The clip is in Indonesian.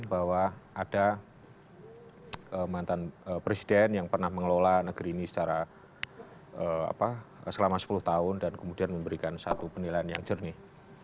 bahwa ada mantan presiden yang pernah mengelola negeri ini secara selama sepuluh tahun dan kemudian memberikan satu penilaian yang jernih